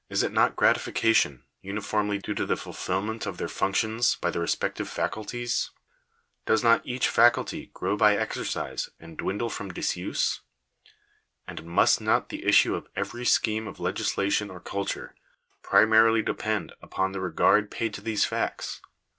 Is not gratification uni formly due to the fulfilment of their functions by the respective faculties ? Does not each faculty grow by exercise, and dwindle from disuse ? And must not the issue of every scheme of legis lation or culture, primarily depend upon the regard paid to these facts